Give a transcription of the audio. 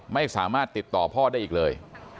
ไม่สามารถติดต่อพ่อได้อีกเลย